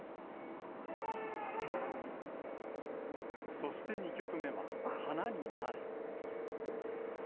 そして２曲目は、花になれ。